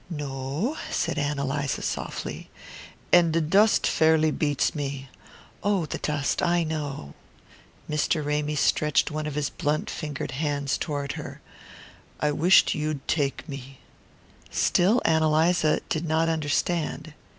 "No," said Ann Eliza softly. "And the dust fairly beats me." "Oh, the dust I know!" Mr. Ramy stretched one of his blunt fingered hands toward her. "I wisht you'd take me." Still Ann Eliza did not understand.